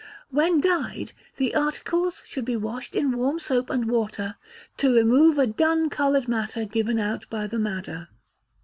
When dyed, the articles should be washed in warm soap and water, to remove a dun coloured matter given out by the madder.